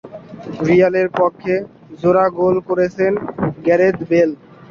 রিয়ালের পক্ষে জোড়া গোল করেছেন গ্যারেথ বেল।